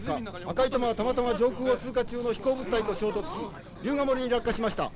赤い玉はたまたま上空を通過中の飛行物体と衝突し竜ヶ森に落下しました。